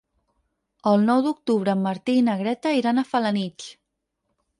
El nou d'octubre en Martí i na Greta iran a Felanitx.